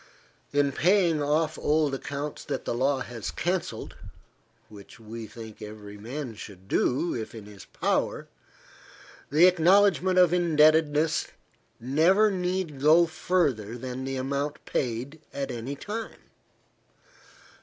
In paying off old accounts that the law has cancelled, which we think every man should do, if in his power, the acknowledgment of indebtedness never need go further than the amount paid at any time.